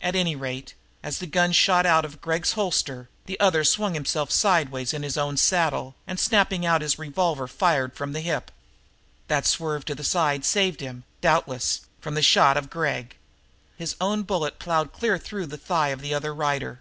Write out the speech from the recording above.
At any rate, as the gun shot out of Gregg's holster, the other swung himself sidewise in his own saddle and, snapping out his revolver, fired from the hip. That swerve to the side saved him, doubtless, from the shot of Gregg; his own bullet plowed cleanly through the thigh of the other rider.